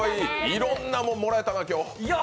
いろんなものもらえたな、今日。